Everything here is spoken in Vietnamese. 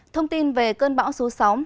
thông tin về cơn bão số sáu